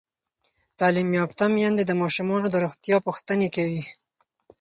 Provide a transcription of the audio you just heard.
تعلیم یافته میندې د ماشومانو د روغتیا پوښتنې کوي.